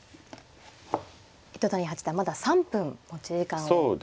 糸谷八段まだ３分持ち時間を残しています。